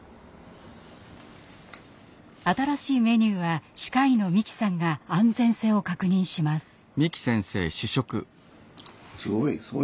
新しいメニューは歯科医の三木さんが安全性を確認します。